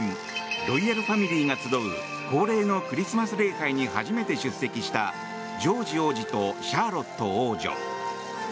ロイヤルファミリーが集う恒例のクリスマス礼拝に初めて出席したジョージ王子とシャーロット王女。